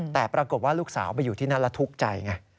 แต่ปรากฏว่าลูกสาวไปอยู่ที่นั่นแล้วทุกข์ใจไง